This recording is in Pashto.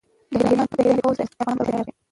د ایران پوځ د افغانانو پر وړاندې تیار دی.